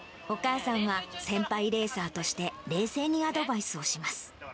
お母さんは、先輩レーサーとして、冷静にアドバイスをします。